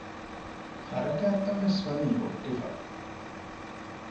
ހަރާކާތްވެސް ވަނީ ހުއްޓިފަ